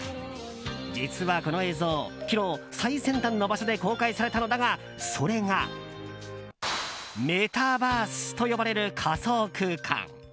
実は、この映像昨日、最先端な場所で公開されたのだがそれがメタバースと呼ばれる仮想空間。